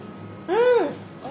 うん！